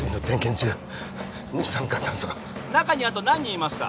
中にあと何人いますか？